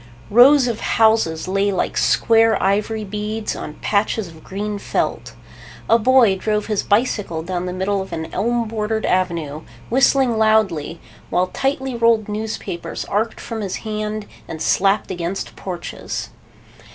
Rows of houses lay like square ivory beads on patches of green felt. A boy drove his bicycle down the middle of an elm bordered avenue, whistling loudly, while tightly rolled newspapers arced from his hand and slapped against porches.